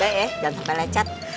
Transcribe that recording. bye bye ya jangan sampe lecat